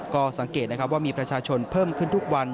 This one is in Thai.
ก็สังเกตนะครับว่ามีประชาชนเพิ่มขึ้นทุกวัน